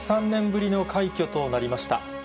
１３年ぶりの快挙となりました。